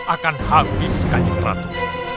akan habis kanjeng ratu